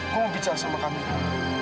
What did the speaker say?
gue mau bicara sama kamiku